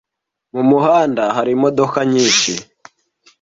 Mu muhanda hari imodoka nyinshi